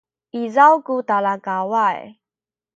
izaw ku talakaway